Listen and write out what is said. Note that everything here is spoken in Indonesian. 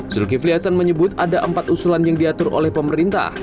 zulkifli hasan menyebut ada empat usulan yang diatur oleh pemerintah